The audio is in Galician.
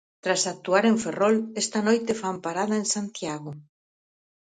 Tras actuar en Ferrol, esta noite fan parada en Santiago.